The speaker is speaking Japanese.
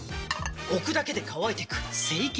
置くだけで乾いてく清潔